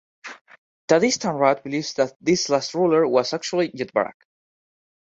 Taddesse Tamrat believes that this last ruler was actually Yetbarak.